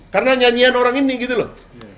karena nyanyian orang ini gitu loh